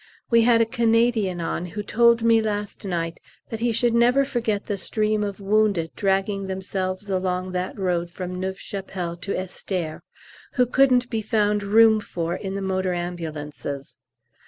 We had a Canadian on who told me last night that he should never forget the stream of wounded dragging themselves along that road from Neuve Chapelle to Estaires who couldn't be found room for in the motor ambulances.